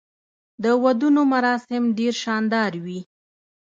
د ودونو مراسم ډیر شاندار وي.